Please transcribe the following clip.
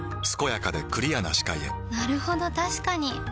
健やかでクリアな視界へなるほど確かに！